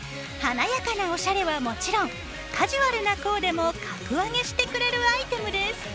華やかなおしゃれはもちろんカジュアルなコーデも格上げしてくれるアイテムです。